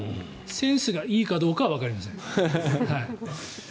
センスがいいかどうかはわかりません。